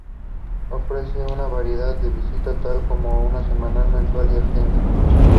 The table below chronicles the achievements of the Club in various competitions.